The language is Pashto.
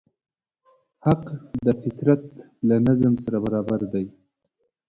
حق د فطرت له نظم سره برابر دی.